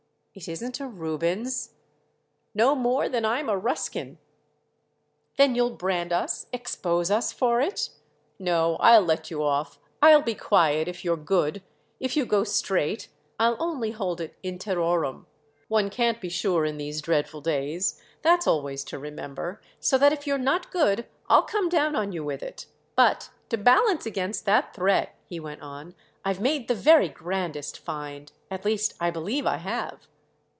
"It isn't a Rubens?" "No more than I'm a Ruskin." "Then you'll brand us—expose us for it?" "No, I'll let you off—I'll be quiet if you're good, if you go straight. I'll only hold it in terrorem. One can't be sure in these dreadful days—that's always to remember; so that if you're not good I'll come down on you with it. But to balance against that threat," he went on, "I've made the very grandest find. At least I believe I have!"